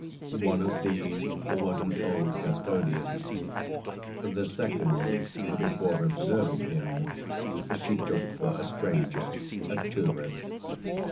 One of these was an old custodian; the second, before observing him, she took for a stranger, a tourist.